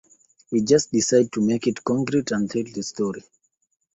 We just decided to make it concrete and tell the story.